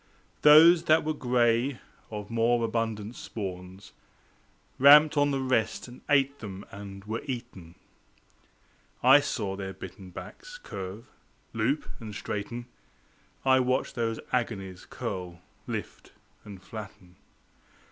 Those that were gray, of more abundant spawns, Ramped on the rest and ate them and were eaten. I saw their bitten backs curve, loop, and straighten, I watched those agonies curl, lift, and flatten.